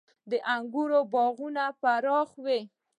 • د انګورو باغونه پراخ وي.